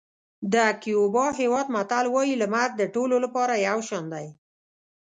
د کیوبا هېواد متل وایي لمر د ټولو لپاره یو شان دی.